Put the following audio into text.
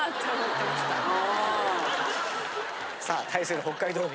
さあ対する北海道民。